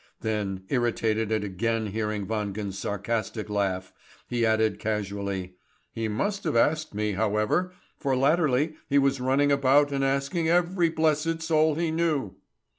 Then, irritated at again hearing Wangen's sarcastic laugh, he added casually: "He must have asked me, however; for latterly he was running about and asking every blessed soul he knew."